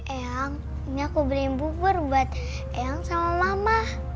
eang ini aku beliin bubur buat eang sama mama